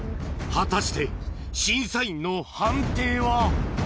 果たして審査員の判定は？